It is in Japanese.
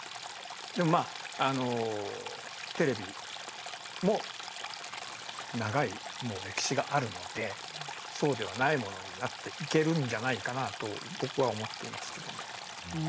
でもまああのテレビも長いもう歴史があるのでそうではないものになっていけるんじゃないかなと僕は思っていますけども。